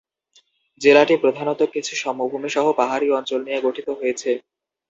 জেলাটি প্রধানত কিছু সমভূমি সহ পাহাড়ী অঞ্চল নিয়ে গঠিত হয়েছে।